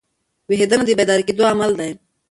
ویښېدنه د بیدار کېدو عمل دئ.